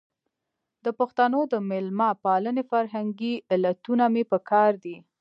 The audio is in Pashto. د پښتنو د مېلمه پالنې فرهنګي علتونه مې په کار دي.